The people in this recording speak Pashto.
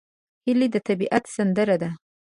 هیلۍ د طبیعت سندره ده